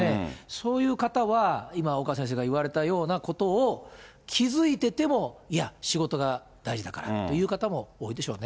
そういう方は、今、岡先生が言われたようなことを気付いてても、いや、仕事が大事だからという方も多いでしょうね。